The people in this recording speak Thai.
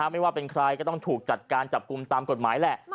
ไม่ว่าเป็นใครก็ต้องถูกจัดการจับกลุ่มตามกฎหมายแหละ